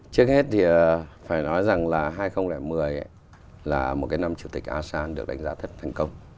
trước hết thì phải nói rằng là hai nghìn một mươi là một cái năm chủ tịch asean được đánh giá thật thành công